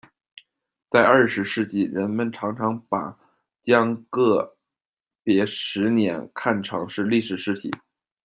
在二十世纪，人们常常把将个别十年看成是历史实体。